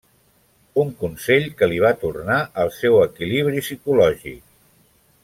Un consell que li va tornar el seu equilibri psicològic.